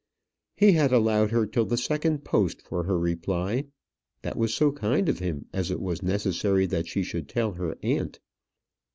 He had allowed her till the second post for her reply. That was so kind of him, as it was necessary that she should tell her aunt.